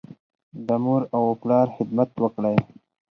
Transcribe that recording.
د مور او پلار خدمت وکړئ.